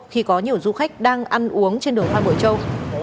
khi có nhiều du khách đang ăn uống trên đường hoa bội châu